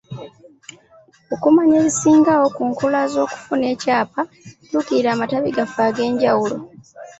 Okumanya ebisingawo ku nkola y'okufuna ekyapa, tuukirira amatabi gaffe ag'enjawulo.